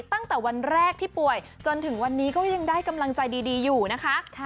ตั้งแต่วันแรกที่ป่วยจนถึงวันนี้ก็ยังได้กำลังใจดีอยู่นะคะ